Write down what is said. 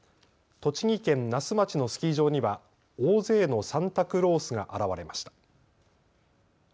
栃木県那須町のスキー場には大勢のサンタクロースが現れました。